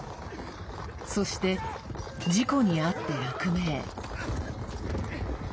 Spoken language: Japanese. そして、事故に遭って落命。